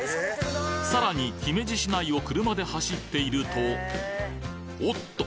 さらに姫路市内を車で走っているとおっと！